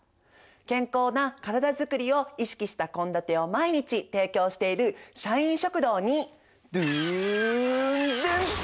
健康な体づくりを意識した献立を毎日提供している社員食堂にドゥドン！